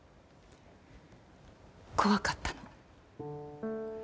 怖かったの。